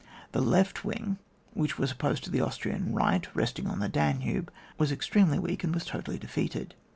The left wing, which was opposed to the Austrian right resting on the Danube, was ex tremely weak and was totally defeated.